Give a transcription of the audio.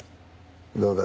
どうだ？